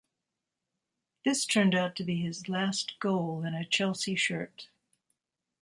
This turned out to be his last goal in a Chelsea shirt.